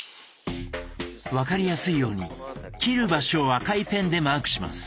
分かりやすいように切る場所を赤いペンでマークします。